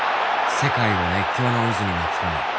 世界を熱狂の渦に巻き込むＦＩＦＡ